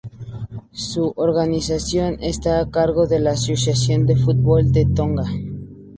Su organización está a cargo de la Asociación de Fútbol de Tonga.